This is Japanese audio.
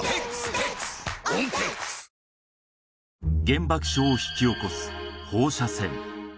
原爆症を引き起こす放射線